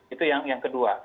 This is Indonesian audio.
itu yang kedua